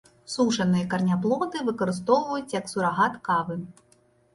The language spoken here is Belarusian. Сушаныя караняплоды выкарыстоўваюць як сурагат кавы.